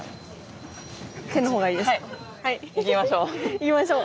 行きましょう。